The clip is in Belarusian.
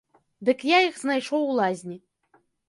Дык я іх знайшоў у лазні.